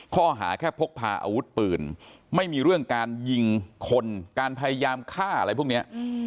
ข้อหาแค่พกพาอาวุธปืนไม่มีเรื่องการยิงคนการพยายามฆ่าอะไรพวกนี้